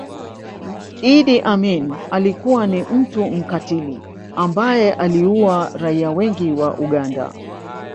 Idi Amin alikuwa ni mtu mkatili ambaye aliua raia wengi wa Uganda